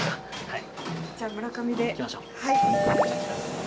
はい。